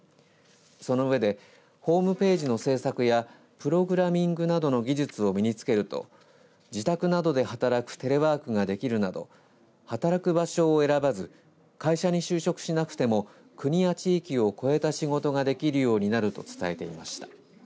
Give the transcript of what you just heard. その上で、ホームページの制作やプログラミングなどの技術を身につけると自宅などで働くテレワークができるなど働く場所を選ばず会社に就職しなくても国や地域を越えた仕事ができるようになると伝えていました。